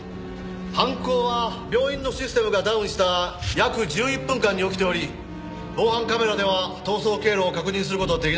犯行は病院のシステムがダウンした約１１分間に起きており防犯カメラでは逃走経路を確認する事は出来ない。